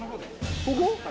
ここ？